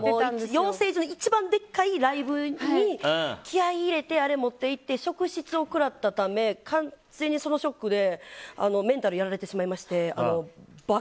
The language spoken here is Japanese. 養成所で一番でっかいライブに気合入れて、あれ持って行って職質を食らったため完全にそのショックでメンタルやられてしまいまして爆